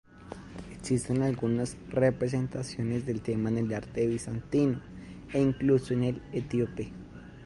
Existen algunas representaciones del tema en el arte bizantino, e incluso en el etíope.